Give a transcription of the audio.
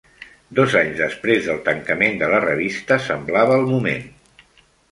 Dos anys després del tancament de la revista, semblava el moment.